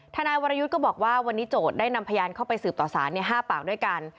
ทนายวรยุทธ์ก็บอกว่าวันนี้โจทย์ได้นำพยานเข้าไปสืบต่อสาร๕ปากด้วยกัน